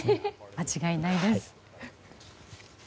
間違いないです。